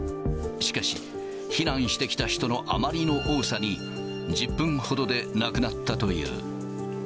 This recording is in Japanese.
しかし、避難してきた人のあまりの多さに、１０分ほどでなくなったという。